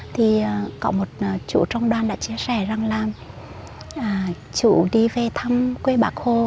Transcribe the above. thì có một chủ trong đoàn đã chia sẻ rằng là chủ đi về thăm quê bác hồ